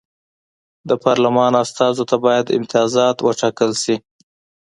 د پارلمان استازو ته باید امتیازات وټاکل شي.